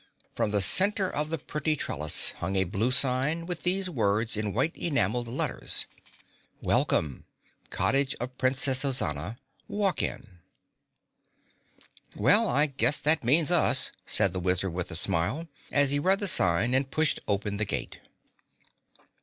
From the center of the pretty trellis hung a blue sign with these words in white enameled letters: WELCOME COTTAGE OF PRINCESS OZANA WALK IN "Well, I guess that means us," said the Wizard with a smile, as he read the sign and pushed open the gate.